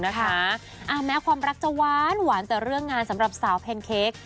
แม้ความรักจะหวานแต่เรื่องงานสำหรับสาวแพนเค้ก